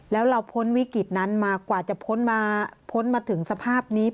แล้วเราพ้นวิกฤตนั้นมากว่าจะพ้นมาถึงสภาพนี้